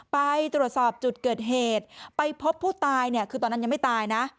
ไปตรวจสอบจุดเกิดเหตุไปพบผู้ตายเนี่ยคือตอนนั้นยังไม่ตายนะ